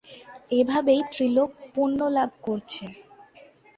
এছাড়াও ঐ ম্যাচে তার পারফরম্যান্স ছিল খারাপ।